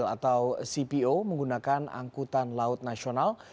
atau cpo menggunakan angkutan laut nasional